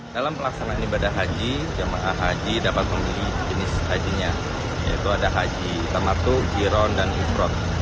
dalam pelaksanaan ibadah haji jemaah haji dapat membeli jenis hajinya yaitu ada haji tamatu jiron dan imron